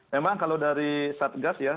memang kalau dari satgas ya